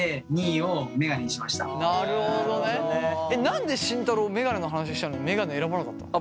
何で慎太郎メガネの話したのにメガネ選ばなかったの？